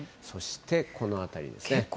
そしてこの辺りですね。